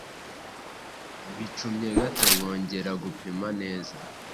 Bicumye gato bongera gupima neza